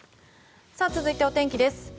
続いてお天気です。